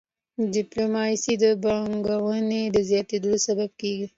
ډيپلوماسي د پانګوني د زیاتيدو سبب کېږي.